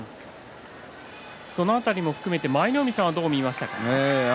その辺りも含めて舞の海さんはいかがですか。